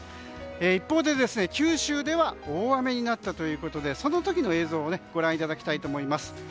一方で、九州では大雨になったということでその時の映像をご覧いただきたいと思います。